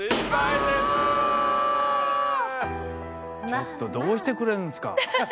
ちょっとどうしてくれるんですか？